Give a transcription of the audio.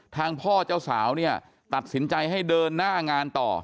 ทางพ่อเจ้าสาวเนี่ยตัดสินใจให้เดินหน้างานต่อ